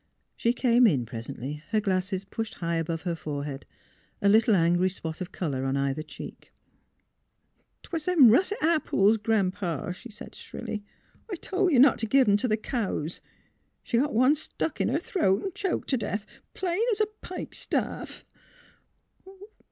She came in presently, her glasses pushed high above her forehead, a little angry spot of colour on either cheek. '' 'Twas them russet apples, Gran 'pa," she said, shrilly. " I tol' you not t' give 'em t' the cows. She got one stuck in her throat an' choked t' death. Plain es a pike staff!